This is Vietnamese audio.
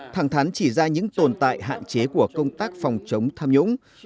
thẳng thán chỉ ra những tồn tại hạn chế của công tác phòng chống tham nhũng